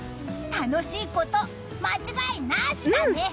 楽しいこと間違いなしだね！